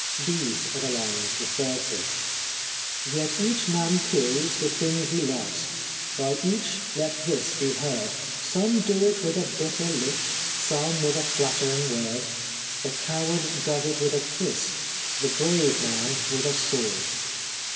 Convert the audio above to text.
These are the lines referred to :" Yet each man kills the thing he loves, By each let this be heard, Some do it with a bitter look. Some with a flattering word. The coward does it with a kiss. The brave man with a sword